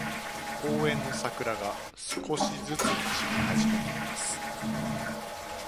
公園の桜が、少しずつ散り始めています。